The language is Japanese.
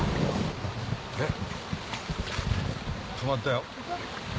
えっ止まったよ。